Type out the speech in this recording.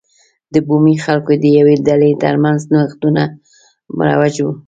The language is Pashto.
د بومي خلکو د یوې ډلې ترمنځ نوښتونه مروج و.